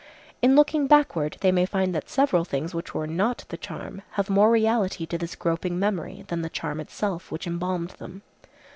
In looking backward they may find that several things which were not the charm have more reality to this groping memory than the charm itself which embalmed them.